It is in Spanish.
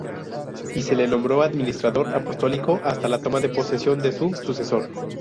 Y se le nombró Administrador apostólico hasta la toma de posesión de su sucesor.